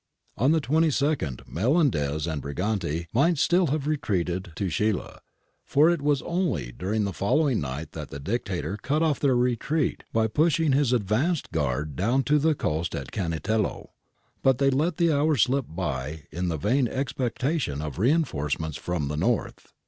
On the 22nd Melendez and Briganti might still have retreated to Scilla, for it was only during the following night that the Dictator cut off their retreat by pushing his advance guard down to the coast at Cannitello. But they let the hours slip by in the vain expectation of reinforcements from the north.